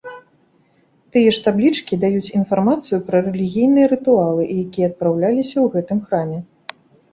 Тыя ж таблічкі даюць інфармацыю пра рэлігійныя рытуалы, якія адпраўляліся ў гэтым храме.